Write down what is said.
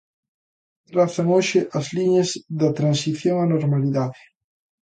Trazan hoxe as liñas da transición á normalidade.